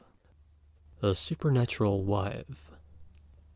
A SUPERNATURAL WIFE.